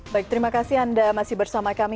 baik terima kasih anda masih bersama kami